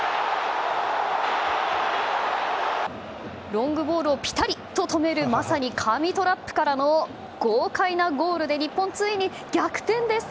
ロングボールをピタリと止めるまさに神トラップからの豪快なゴールで日本、ついに逆転です。